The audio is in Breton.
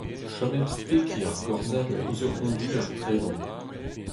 Chom hep stekiñ ar gorzenn ouzh ur c'honduer tredan.